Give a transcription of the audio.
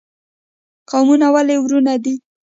قومونه ولې ورونه دي؟